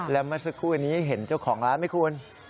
แล้วมาสักครู่นะนี้เห็นเจ้าของล้านไม่ควร